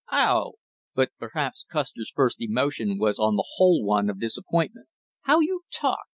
"Oh!" But perhaps Custer's first emotion was on the whole one of disappointment. "How you talk!"